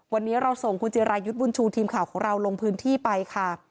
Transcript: วันนี้เราส่งคุณจิรายุทธ์บุญชูทีมข่าวของเราลงพื้นที่ไปค่ะ